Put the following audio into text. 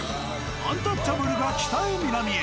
アンタッチャブルが北へ南へ。